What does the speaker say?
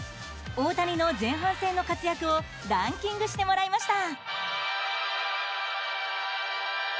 大谷の前半戦の活躍をランキングしてもらいました。